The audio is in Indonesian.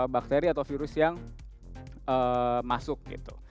bakteri atau virus yang masuk gitu